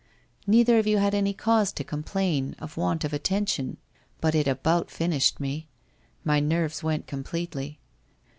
Neither of you had any cause to complain of want of attention, but it about finished me. My nerves went completely.